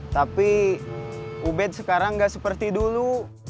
tapi ubed sekarang gak seperti dulu